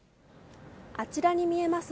あちらに見えます